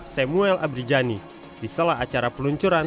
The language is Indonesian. samuel abrijani di sela acara peluncuran